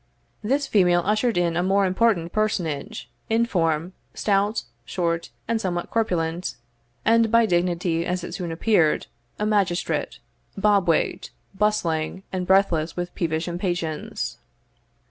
This female ushered in a more important personage, in form, stout, short, and somewhat corpulent; and by dignity, as it soon appeared, a magistrate, bob wigged, bustling, and breathless with peevish impatience.